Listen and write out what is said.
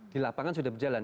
di lapangan sudah berjalan